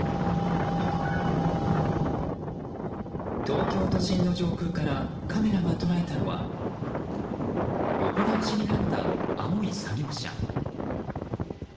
東京都心の上空からカメラが捉えたのは横倒しになった青い作業車。